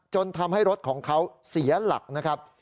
จนทำให้รถของเขาเสียหลักนะครับ